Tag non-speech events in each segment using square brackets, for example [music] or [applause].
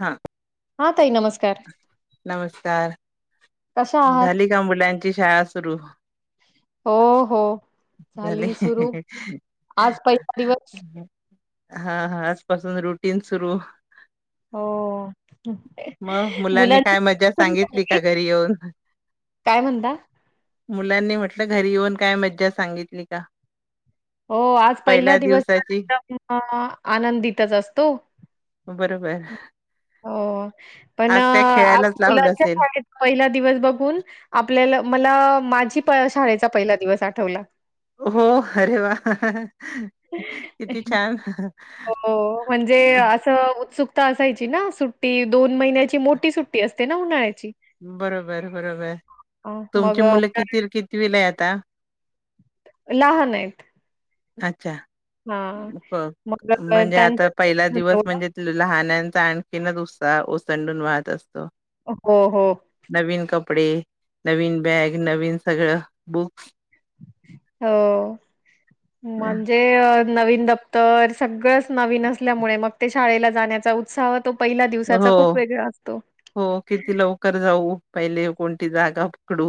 हा हा ताई नमस्कार. नमस्कार कशा आहात? झाली का मुलांची शाळा सुरू हो हो झाली सुरू आज पहिसे दिवस हा हा आजपासून रुटीन सुरू हो मग मुलांनी मुलांची काय मज्जा सांगितली का घरी येऊन काय म्हणता मुलांनी म्हटलं घरी येऊन काय मज्जा सांगितली का हो आज पहिला पहिल्या दिवस तर दिवसाची एकदम आनंदतच असतो. बरोबर. हो. पण आज काय खेळायलाच लावलं असेल [unintelligible] पहिल्या दिवस बघून. आपल्याला मला माझी शाळेचा पहिला दिवस आठवला. हो अरे वा. [unintelligible] किती छान हो म्हणजे असं उत्सुक. ता असायची ना सुट्टी दोन महिन्याची मोठी सुट्टी असते ना उनयची. बरोबर बरोबर अ, तुमची मुलं मग किती कितीवी ला आहे आता. लहान आहेत. अच्छा. हां. मग अ, म्हणजे त्यांचं आता पहिला दिवस तेवढं म्हणजे लहान. आणखीन दुस ओसंडून वाहत असतो. हो हो. नवीन कपडे नवीन बॅग नवीन सगळं बुक्स. हो. म्हणजे [inaudible] नवीन दप्तर सगळंच नवीन असल्यामुळे मग ते शाळेला जाण्याचा उत्साह तो. पहिल्या दिवसाचा हो खूप वेगळा असतो. हो किती लवकर जाऊ. पहिले कोणती जागा पकडू.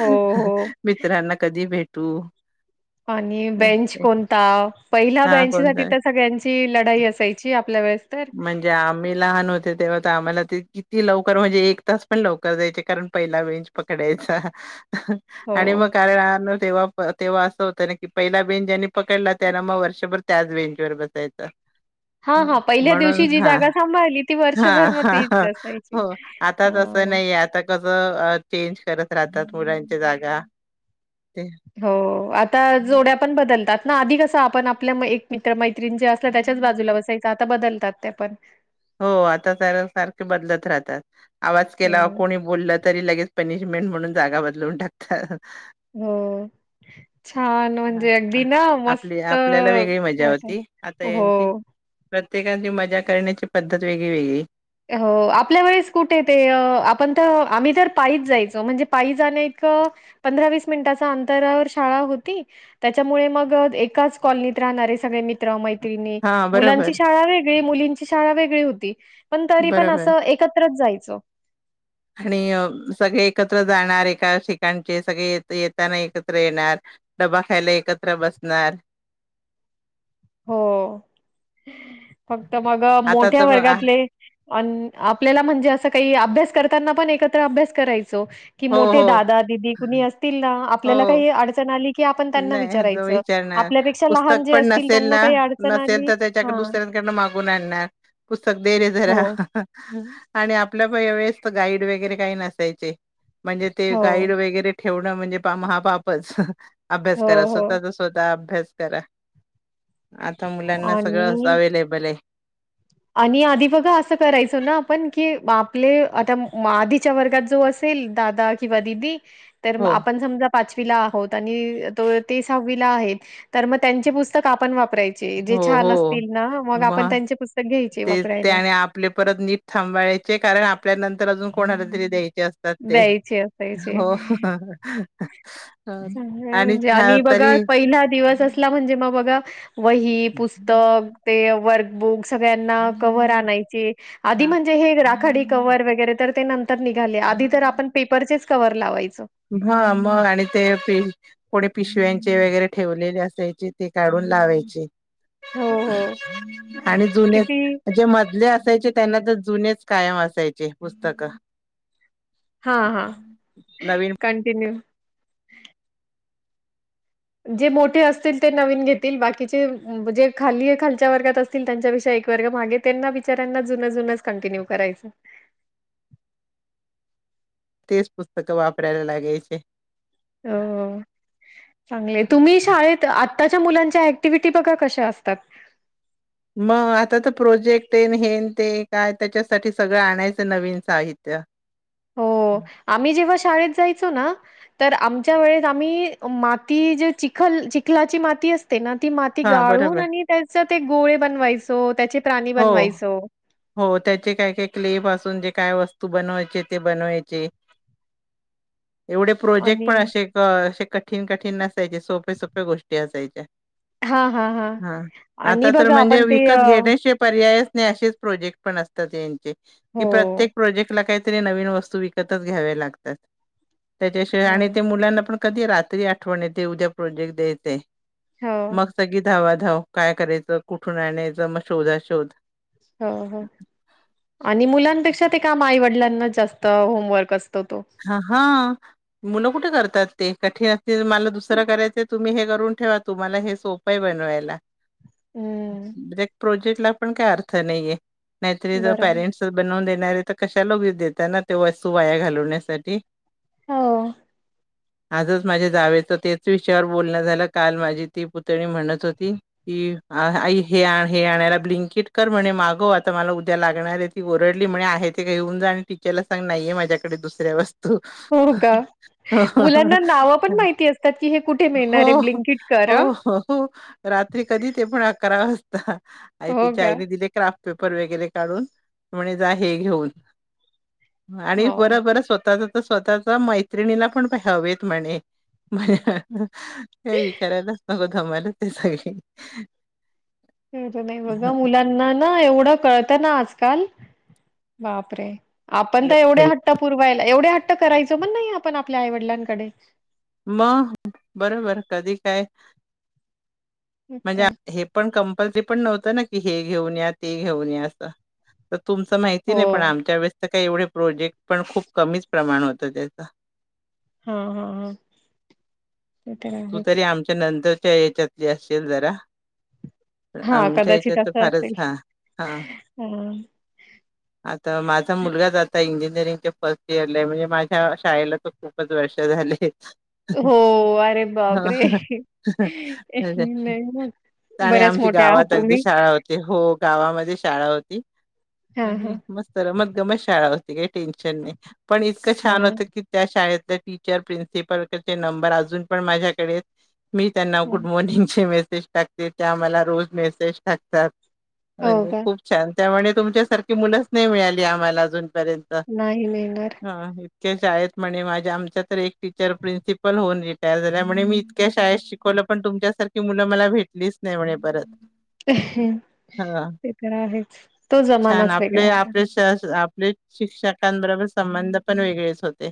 हो, हो. [inaudible] मित्रांना कधी भेटु. तू. आणि बेंच कोणता पहिल्या हा बेंचसाठी कोणता तर सगळ्यांची लढाई असायची आपल्या वेळेस. तर. म्हणजे आम्ही लहान होते तेव्हा तर आम्हाला. किती लवकर म्हणजे एक तास पण लवकर जायचे कारण पहिला बेंच पकडायचा. आणि हो. मग काय [inaudible] तेव्हा. तेव्हा असं होतं ना की पहिला बेंच ज्यांनी पकडला त्याना मग वर्षभर त्याच बेंचवर बसायचं. हा हम्म. हा पै. पहिल्या म्हणून दिवशी जी हा जागा सांभाळली ती हा वर्षभर हा तीच हा असायची. कस चेंज करत राहतात मुलाच्या जागा. ते हो आता जोड्या पण बदलतात. ना अधी कसं आपण आपल्या एक मित्र मैत्रीण. मैत्रीण जे असतात त्याच्याच बाजूला बसायचं आता बदल. [inaudible] ते पण हो आता जागा सारखे बदलत राहतात आवाज केला हो, कोणी बोललं तरी लगेच पनिशमेंट म्हणून जागा बदलवून टाकतात हो छान म्हणजे हा अगदी ना आपली मस्त आपल्याला वेगळी मजा वाटत होती आता हो यांची प्रत्येकाची मजा करण्याची पद्धत वेगळी वेगळी हो आपल्या वेळेस कुठे ते अ आपण तर, आम्ही तर पायीच जायचो, म्हणजे पायी जाण्याइतक पंधरा वीस मिनटाच अंतरावर शाळा होती. त्याच्यामुळे मग एकाच कॉलनीत राहणारे सगळे मित्र मैत्रीण हा [inaudible] मुलांची बरोबर शाळा वेगळी मुलींची शाळा वेगळी होती पण तरी पण बरोबर अस एकत्र जायचो आणि अ सगळे एकत्र जाणार एका ठिकाणचे सगळे येताना एकत्र येणार डबा खायला एकत्र बसणार हो फक्त मग आता मोठ्या तर आ, वर्गातले [inaudible] आपल्याला म्हणजे अस काही अभ्यास करताना पण एकत्र अभ्यास करायचा सो कि हो मोठे हो दादा दिदी कुणी असतील ना आपल्याला हो काही अडचण आली कि आपण त्यांना नाही विचारायचं आपल्यापेक्षा लहान जे अस नेल ना नसेल तर त्याच्याकडे दुसऱ्यांकडन मागून आणणार पुस्तक दे रे हो, जरा आणि आपल्या पण वेळेस तर गाईड वगैरे काही नसायचे म्हणजे ते हो, गाईड वगैरे ठेवणं म्हणजे पा महापापच अभ्यास हो, करा हो स्वतःचा स्वतः अभ्यास नमस्कार आता मुलांना सगळं आणि अवे्लेबल आहे आणि आधी बघा असं करायचो ना आपण की आपले आता आधीच्या वर्गात जो असेल दादा किंवा दिदी तर हो आपण समजा पाचवीला आहोत आणि ते सहावीला आहेत तर मग त्यांचे पुस्तक आपण वापरायच जे छान असतील ना मग आप त्यां ते ते आणि आपले परत नीट थांबायचे कारण आपल्या नंतर अजून कोणालातरी दया द्यायचे असायचे चांगले म्हणजे छा- आणि बघा तरी पहिला दिवस असला म्हणजे मग बघा वही पुस्तक ते वर्ग बुक्स सगळ्यांना कव्हर आणायचे आधी हा म्हणे हे राखाडी कव्हर वगैरे तर ते नंतर निघाले आधी पेपरचेच कववर लावायच हा मग आणि ते पुढे पिशव्यांचे वगैरे ठेवलेले असायचे ते काढून लावायचे हो हो आणि जुने किती जे मधले असाय त्यांना तर जुनेच कायम असायचे पुस्तक हा हा नवीन कंटिन्यू जे मोठे असतील ते नवीन घेतील बाकीचे जे खाली खालच्या वर्गात असतील त्यांच्यापेक्षा एक वर्ग मागे त्यांना बीचारना जुन जुनच कंटिन्यू करायच तेच पुस्तक वापरायला लागेचे हो चांगले तुम्ही शाळेत आ आताच्या मुलांच्या ऍक्टिव्हटी बघा कशा असतात मग आता तर प्रोजेक्ट येन हेन ते काय त्याच्यासाठी सगळं आणायचं नवीन साहित्य हो आम्ही जेव्हा शी शाळेत जायचो ना तर आमच्या वेळेस आम्ही माती जे चिखल चिखलाची माती असते ना ती माती हा गाळून बरोबर आणि त्याच्यात ते गोळे बनवायचे. चो त्याचे प्राणी हो बनवायचो हो त्याचे काय काय क्ले पासून जे काय वस्तू तू बनवायचे ते बनवायचे एवढे प्रोजेक्ट आणि पण आशे कशे कठीण कठीण नसायचे सोपे सोपे गोष्टी असायच्या हा, हा, हा आणि बघा आपण ते अ हे आहेस नी असेच प्रोजेक्ट पण असतात त्यांचे कि हो, प्रत्येक प्रोजेक्ट ला काय तरी नवीन वस्तू विकतच घ्याव्या लागतात. त्याच्याशिवाय हो, आणि ते मुलांना पण कधी रात्री आठवण येते उद्या प्रोजेक्ट द्या येतय. हो, मग सगळी धावा धाव काय करायचं कुठून आणायचं मग शोधा शोध हो, हो आणि मुलांपेक्षा ते काम आईवडिलांना जास्त होमवर्क असत हा, हा मुलं कुठे करतात? ते कठीण असतील मला दुसरं करायचं तुम्ही हे करून ठेवा तुम्हाला हे सोपये बनवायला. हम्म प्रोजेक्ट ला पण काही अर्थ नाहीे हे नैतर ज बरं. पेरेन्ट्स बनवून दे देणार हे तर कशाला उगी देता ना दिवस वाया घालवण्यासाठी साठी हो आजच माझे जावेच तेच विषयावर बोलण झालं काल माझी ती पुतणी म्हणत होती की आई हे आण हे आणायला ब्लिंकिट कर म्हणे मागव आता मला उद्या लागणार आहे ती ओरडली म्हणे आहे ते घेऊन जा आणि टीचरला सांग नाहीये माझ्याकडे दुस दुसऱ्या वस्तू हो का? मुलांना नावं पण माहिती असतात, की हे कुठे हो मिळणार आहे? ब्लिंकिट कर हो हां. हो हो रात्री कधी ते पण आकरा वाज [unintelligible] आणि हो तिच्या का? आईने दिले क्राफ्ट पेपर वगैरे काढून म्हने जा हे घेऊन आणि पर हो. परस [unintelligible] स्वतःच्या मैत्रिणीला पण हवेत म्हणे काय विचार हे ना [unintelligible] ते सगळे खर नाही बघा मुलांना ना एवढा कळत ना आजकाल बापरे. आपण तर एवढ्या हट्ट पुरवायला एवढे हट्ट. करायचं मण नाही आपण आपल्या आईवडिलांकडे. मग बरोबर कधी काय. मग म्हणजे काय हे पण कं ल ते पण नव्हतं ना की हे घेऊन या ते घेऊन या असं. तुमचं माहिती हो नाही पण आमच्या वेळेस त्या काही एवढे प्रोजेक्ट पण खूप कमीच प्रमाण होतं त्याच. हा हा हा. तू तरी आमच्या नंतर च्या याच्यातली असेल जरा. हां, आमच्या हच्यात कदाचित तर असं फारच असेल हा हा हां. आता माझा मुलगाच आता इंजि ंग फर्स्ट इयर ला म्हणजे माझ्या शाळेला त खूपच वर्ष झाले. हो अरे बापरे! ह नाही मग आणि बऱ्याच आमची मोठ्या गावात आहात अगदी तुम्ही शाळा होती हो. गावामध्ये शाळा होती. हां, हां, मस्त रमत गंमत शाळा होती. काही टेनशन नाही. पण इतकं हां, छान हां. होतं की त्या शाळेत टीचर प्रिन्सिपलचे नंबर अजून. पण माझ्याकडे. मी त्यांनाव गुड मॉर्िंगचे मेसेज. टाकते ते आम्हाला रोज मेसेज टाकतात. हो म्हणजे का? खूप छान. त्यामुळे तुमच्यासारखी मुलंच नाही मिळाली आम्हाला अजून. पर्यंत नाही मिळणार हा. शाळेत म्हणे माझ्या आमच्या तर एक टीचर प्रिन्सिपल होऊन तयार झाल्या म्हणे मी इतक्या शाळेत शिकवलं पण तुमच्यासारखी मुलं मला भेटलीच नाही म्हणे परत. हा ते तर आहेच तो जमानाच वेगळा होता. े शिक्षकांबरोबर संबंध पण वेगळेच होते.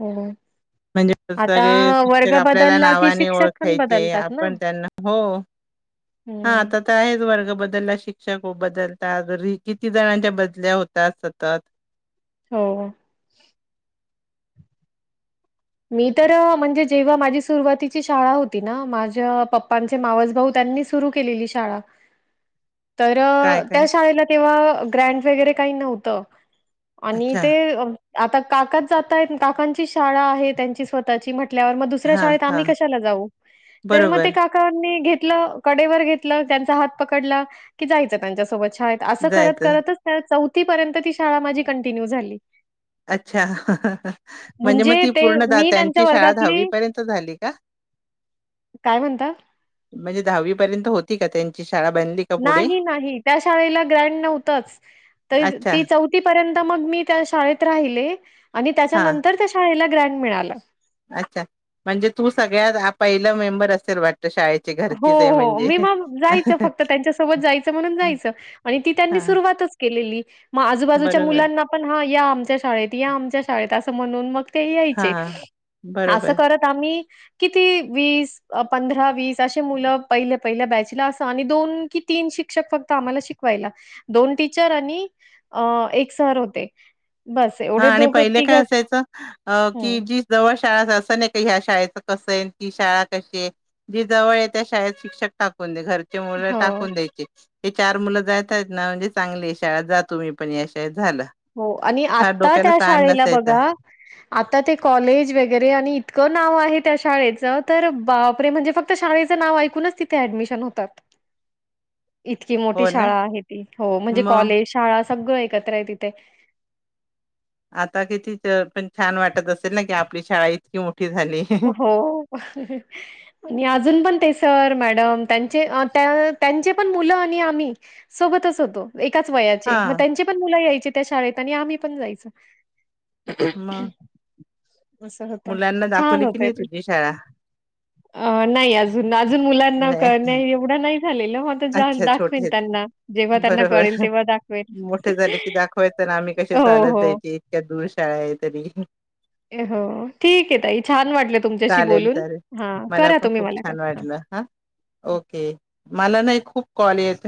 हो म्हणजे आता सगळे वर् शिक्षक आपल्याला नावाने ओळखायचे ना? आपण त्यांना हो. हा हम्म, आता तर आहेच वर्ग बद्दल बदल शिक्षक हो बदलत किती जणांच्या बदल्या होतात सतत. हो. मी तर म्हणजे जेव्हा माझी सुरुवातीची शाळा होती ना माझ्या पप्पांचे मावसभऊ त्यांनी सुरू केलेली शाळा तर काय काय त्या शाळेला तेव्हा ग्रँड वगैरे काही नव्हतं. आणि अच्छा ते आता काकात जातय काकांची शाळा आहेत. त्यांची स्वतःची म्हटल्यावर मग दुसऱ्या हा शाळेत हा आम्ही कशाला जाऊ तर मग बरोबर ते काकांनी घेत. कडेवर घेतलं त्यांच हात पकडला की जायचं त्याच्यासोबत अस करत जायचं करतच चौ तो पर्यंत ती शाळा माझी कंटिन्यू झाली. अच्छा म्हणजे मग ती ते पूर्ण मी त्यांच्या त्यांची शाळा दहावी वर्गातली पर्यंत झाली का काय म्हणता? म्हणजे दहावी पर्यंत हो. की त्यांची शाळा बनली का पुढे नाही नाही त्या शाळेला ग्रँड नव्हतच अच्छा ती चौथीपर्यंत मग मी त्या शाळेत राहिले. आणि हा त्याच्यानंतर त्या शाळेला ग्रँड मिळाला. अच्छा म्हणजे तू सगळ्यात पहिला मेंबर असेल वाट. हो हो मी मग जायचं फक्त त्यांच्या सोबत जायचं म्हणून हो हो मी जायचं फक्त आणि ती त्यांनी हा सुरुवातच केलेली म आजूबाजूच्या बरोबर मुलांना पण ह या आमच्या शाळेत या आमच्या शाळेत अस म्हणून मग ते हा यायचे असं बरोबर करत आम्ही किती वीस पंधरा वीस तस मुलं पहिल पहिल बॅच अस दोन कि तीन शिक्षक फक्त आम्हाला शिकवायला दोन टीचर आणि एक सर होते बस हा एवढे आणि दोघं पहिले काय तिघच असायचं की जी जवळ शाळा असं नाही ह्या शाळेच कसं आहे की शाळा कशी आहे जी जवळ आहे त्या शाळेत शिक्षक टाकून घर मुल हो टाकून द्यायची हे चार मुलं जात आहेत ना म्हणजे चांगले आहे शाळा जा तुम्ही मी पण या शाळेत झालं हो आणि फार आता डोक्याला त्या ताण शाळेला नसायचा बघा आता ते कॉलेज वगैरे आणि इतकं नाव आहेत त्या शाळेच तर बापरे म्हणजे फक्त शाळेचं नाव ऐकूनच तिथे ऍडमिशन होतात इतकी मोठी हो ना शाळा आहे ती हो म्हणजे मग कॉलेज शाळा सगळं एकत्र आहे तिथं ते आता कितीतर पण छान वाटत असत ना की आपली शाळा इतकी मोठी झाली. हो ह आणि अजून पण ते सर मॅडम त्यां त्यांचे पण मुलं आणि आम्ही सोबतच होतो एकाच वयाची हा मग त्यांची पण मुलं यायची त्या शाळेत आणि आम्ही पण जायचं [unintelligible] हा मग अस होता मुलांना दाखवली की नाही तुझी शाळा अ नाही अजून अजून मुलांना नाही करण्या एवढं नाही झालेलं मग आता जा अच्छा दाखवेन छोटे त्यांना जेव्हा त्यांना कळेल बरोबर तेव्हा दाखवेन. मोठे झाले की दाखवायच ना आम्ही कसे हो चालत हो जायचे इतक्या दूर शाळा आहे तरी ह हो ठीक आहे ताई छान वाटलं तुमच्याशी चालेल बोलून चालेल हा करा पण तुम्ही खूप मला छान करा वाटलं हा ओके मला नाही खूप कॉल येत